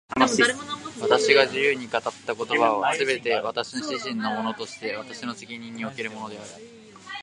私が自由に語った言葉は、すべて私自身のものとして私の責任におけるものである。